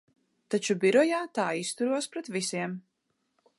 Taču birojā tā izturos pret visiem.